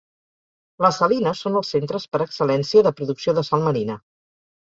Les salines són els centres per excel·lència de producció de sal marina.